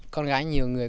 con gái nhiều người